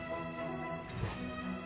うん。